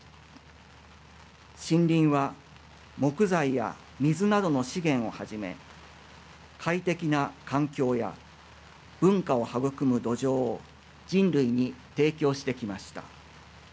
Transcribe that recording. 森林は、木材や水などの資源をはじめ快適な環境や文化を育む土壌を人類に提供してきました。